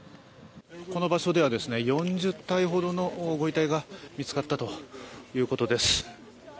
この場所では４０体ほどのご遺体が見つかったということです。